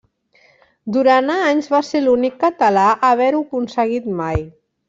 Durant anys va ser l'únic català a haver-ho aconseguit mai.